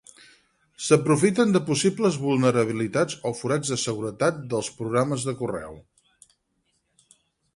S'aprofiten de possibles vulnerabilitats o forats de seguretat dels programes de correu.